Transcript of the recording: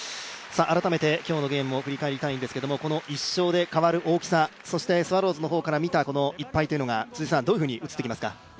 改めて今日のゲームを振り返りたいんですけど、１勝で変わる大きさ、ヤクルトから見た１敗というのがどういうふうにうつってきますか。